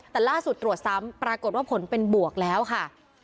แต่ล่าสุดตรวจซ้ำปรากฏว่าผลเป็นบวกแล้วค่ะ